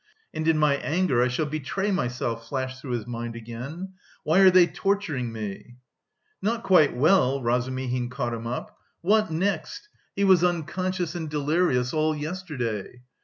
"And in my anger I shall betray myself," flashed through his mind again. "Why are they torturing me?" "Not quite well!" Razumihin caught him up. "What next! He was unconscious and delirious all yesterday.